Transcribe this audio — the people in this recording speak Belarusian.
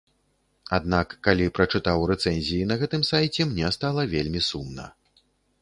Аднак, калі прачытаў рэцэнзіі на гэтым сайце, мне стала вельмі сумна.